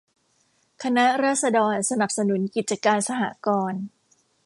คณะราษฎรสนับสนุนกิจการสหกรณ์